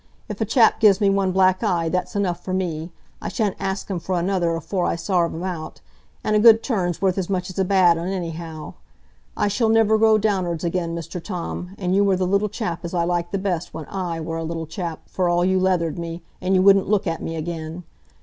If a chap gives me one black eye, that's enough for me; I sha'n't ax him for another afore I sarve him out; an' a good turn's worth as much as a bad un, anyhow. I shall niver grow down'ards again, Mr Tom, an' you war the little chap as I liked the best when I war a little chap, for all you leathered me, and wouldn't look at me again.